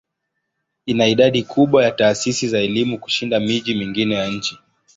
Ina idadi kubwa ya taasisi za elimu kushinda miji mingine ya nchi.